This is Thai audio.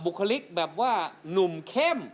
คลิกแบบว่าหนุ่มเข้ม